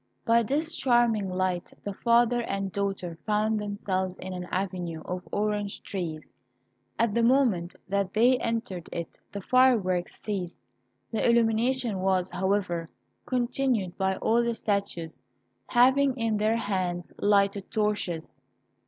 By this charming light the father and daughter found themselves in an avenue of orange trees. At the moment that they entered it the fireworks ceased. The illumination was, however, continued by all the statues having in their hands lighted torches.